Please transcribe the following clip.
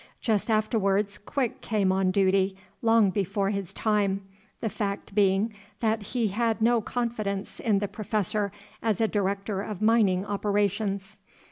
Just afterwards Quick came on duty, long before his time, the fact being that he had no confidence in the Professor as a director of mining operations.